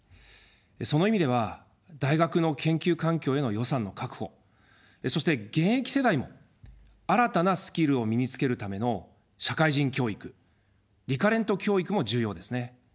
その意味では大学の研究環境への予算の確保、そして現役世代も新たなスキルを身につけるための社会人教育、リカレント教育も重要ですね。